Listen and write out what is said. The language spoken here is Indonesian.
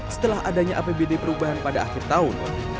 setelah adanya apbd perubahan pada akhir tahun